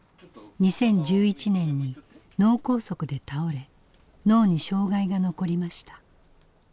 ２０１１年に脳梗塞で倒れ脳に障害が残りました。